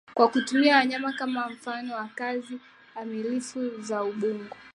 kwa kutumia wanyama kama mfano wa kazi amilifu za ubongo